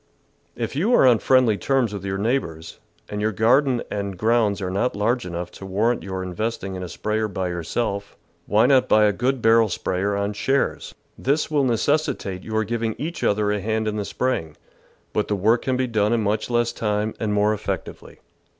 If you are on friendly terms with your neigh bours, and your garden and grounds are not large enough to warrant your investing in a sprayer by yourself, why not buy a good barrel sprayer on shares ? This will necessitate your giving each other a hand in the spraying, but the work can be done in much less time, and more effectively.